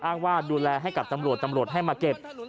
อ้างว่าดูแลให้กับตำรวจตำรวจให้มาเก็บ